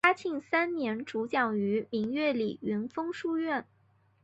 嘉庆三年主讲于明月里云峰书院。